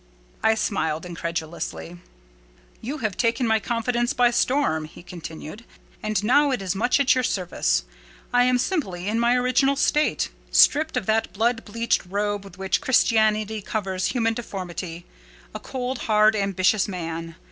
I smiled incredulously. "You have taken my confidence by storm," he continued, "and now it is much at your service. I am simply, in my original state—stripped of that blood bleached robe with which Christianity covers human deformity—a cold, hard, ambitious man.